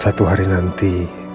satu hari nanti